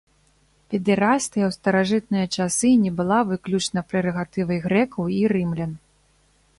Педэрастыя ў старажытныя часы не была выключна прэрагатывай грэкаў і рымлян.